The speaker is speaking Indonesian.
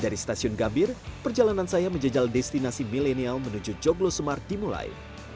dari stasiun gambir perjalanan saya menjejel destinasi milenial menuju joglosemar dimulai